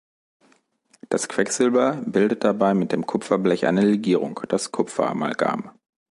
Das Quecksilber bildet dabei mit dem Kupferblech eine Legierung, das Kupfer-Amalgam.